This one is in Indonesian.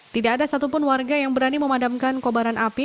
tidak ada satupun warga yang berani memadamkan kobaran api